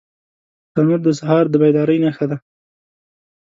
تنور د سهار د بیدارۍ نښه ده